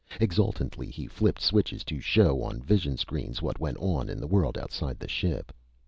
Exultantly, he flipped switches to show on vision screens what went on in the world outside the ship.